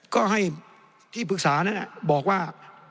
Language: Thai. ก็ให้ที่ปรึกษานั้นบอกว่า